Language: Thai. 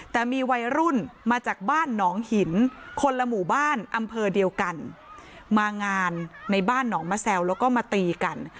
แต่มีวัยรุ่นมาจากบ้านหนองหินคนละหมู่บ้านอำเภอเดียวกันมางานในบ้านหนองมะแซวแล้วก็มาตีกัน